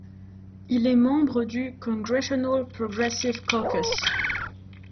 Il est membre du Congressional Progressive Caucus.